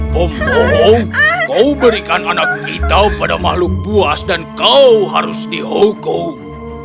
pembohong kau berikan anak kita pada makhluk buas dan kau harus dihukum